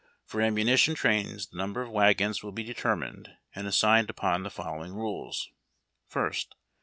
For annaunition trains the number of wagons will be determined and as signed upon the following rules: 1st.